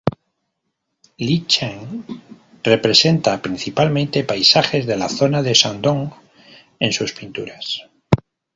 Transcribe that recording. Li Cheng representa principalmente paisajes de la zona de Shandong en sus pinturas.